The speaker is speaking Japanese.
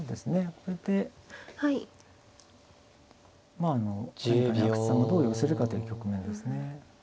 これでまああの阿久津さんがどう寄せるかという局面ですね。